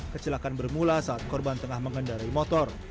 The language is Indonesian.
kecelakaan bermula saat korban tengah mengendarai motor